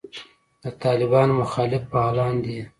د طالبانو مخالف فعالان دي.